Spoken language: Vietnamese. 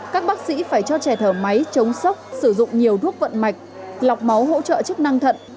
các bác sĩ phải cho trẻ thở máy chống sốc sử dụng nhiều thuốc vận mạch lọc máu hỗ trợ chức năng thận